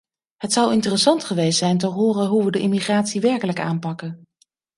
Het zou interessant geweest zijn te horen hoe we de immigratie werkelijk aanpakken.